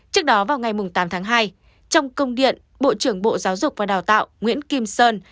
trước đó vào ngày tám tháng hai trong công điện bộ trưởng bộ giáo dục và đào tạo nguyễn kim sơn